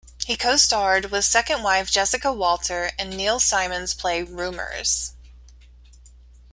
He co-starred with second wife Jessica Walter in Neil Simon's play "Rumors".